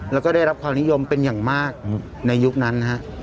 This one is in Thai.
แล้วก็ได้รับความนิยมเป็นอย่างมากในยุคนั้นนะฮะ